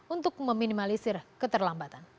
untuk meminimalisir keterlambatan